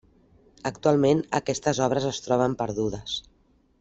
Actualment, aquestes obres es troben perdudes.